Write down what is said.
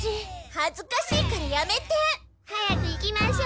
はずかしいからやめて！早く行きましょ。